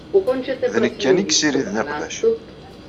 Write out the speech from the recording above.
D nekk kan i yessiriden iqbac.